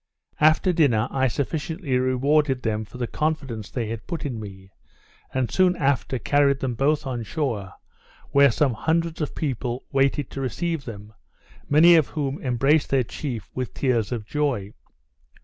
After dinner, I sufficiently rewarded them for the confidence they had put in me; and, soon after, carried them both on shore, where some hundreds of people waited to receive them, many of whom embraced their chief with tears of joy.